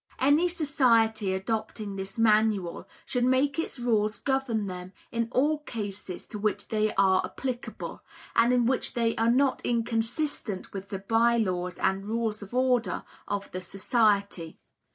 Any society adopting this Manual, should make its rules govern them in all cases to which they are applicable, and in which they are not inconsistent with the By Laws and Rules of Order of the society.